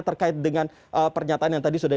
terkait dengan pernyataan yang tadi sudah